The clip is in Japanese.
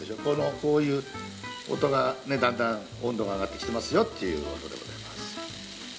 こういう音がねだんだん温度が上がってきてますよっていう音でございます。